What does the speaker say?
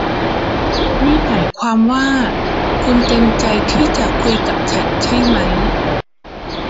นี่หมายความว่าคุณเต็มใจที่จะคุยกับฉันใช่มั้ย